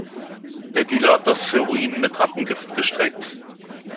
Der Dealer hat das Heroin mit Rattengift gestreckt.